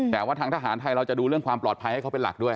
แต่ว่าทางทหารไทยเราจะดูเรื่องความปลอดภัยให้เขาเป็นหลักด้วย